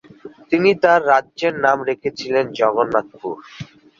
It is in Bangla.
তিনি তার রাজ্যের নাম রেখেছিলেন জগন্নাথপুর।